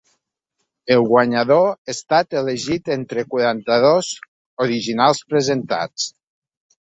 El guanyador estat elegit entre quaranta-dos originals presentats.